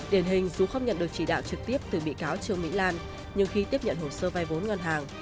điển hình dù không nhận được chỉ đạo trực tiếp từ bị cáo trương mỹ lan nhưng khi tiếp nhận hồ sơ vai vốn ngân hàng